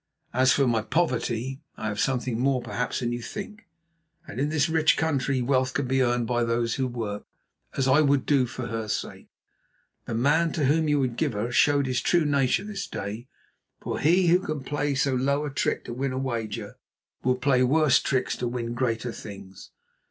As for my poverty, I have something, more perhaps than you think, and in this rich country wealth can be earned by those who work, as I would do for her sake. The man to whom you would give her showed his true nature this day, for he who can play so low a trick to win a wager, will play worse tricks to win greater things.